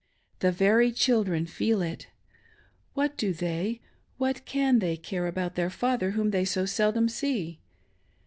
The very children feel it. What do they, what can they, care about their father, whom they so seldom see